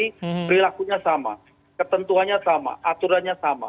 perilakunya sama ketentuannya sama aturannya sama